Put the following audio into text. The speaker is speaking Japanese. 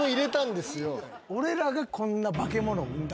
俺らがこんな。